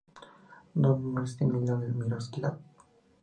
Nombre similar: Miroslav.